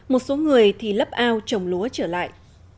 một số người thì lấp ao trồng lúa trở lại